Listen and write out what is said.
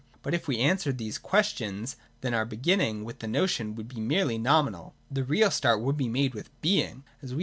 But if we answered these ques tions, then our beginning with the notion would be merely nominal. The real start would be made with Being, as we 2 86 THE DOCTRINE OF ESSENCE.